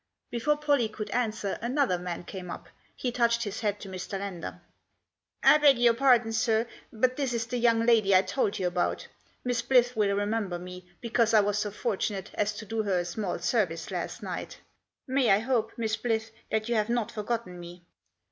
Before Pollie could answer, another man came up. He touched his hat to Mr. Lander. " I beg your pardon, sir, but this is the young lady I told you about. Miss Blyth will remember me, because I was so fortunate as to do her a small service last night May I hope, Miss Blyth, that you have not forgotten me